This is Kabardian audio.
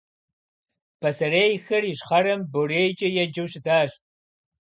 Пасэрейхэр ищхъэрэм БорейкӀэ еджэу щытащ.